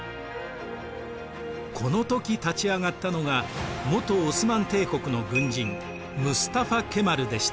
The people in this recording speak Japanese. この時立ち上がったのが元オスマン帝国の軍人ムスタファ・ケマルでした。